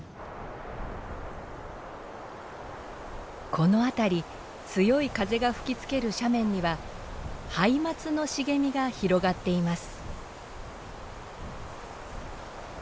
この辺り強い風が吹きつける斜面にはハイマツの茂みが広がっています。